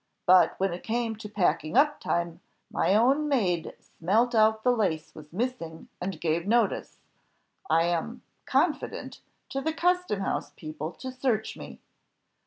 But when it came to packing up time, my own maid smelt out the lace was missing; and gave notice, I am, confident, to the custom house people to search me.